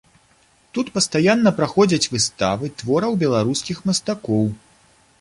Тут пастаянна праходзяць выставы твораў беларускіх мастакоў.